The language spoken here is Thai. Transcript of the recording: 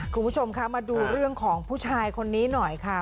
คุณผู้ชมคะมาดูเรื่องของผู้ชายคนนี้หน่อยค่ะ